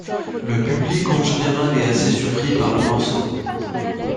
Le public en général est assez surpris par le morceau.